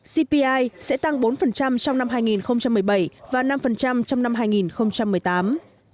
cpi sẽ tăng bốn trong năm hai nghìn một mươi bảy và năm trong năm hai nghìn một mươi tám